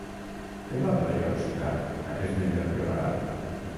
Té data de caducitat aquest menjar preparat?